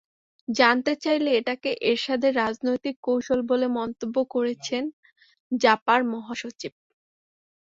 জানতে চাইলে এটাকে এরশাদের রাজনৈতিক কৌশল বলে মন্তব্য করেছেন জাপার মহাসচিব।